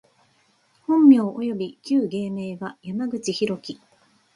本名および旧芸名は、山口大樹（やまぐちひろき）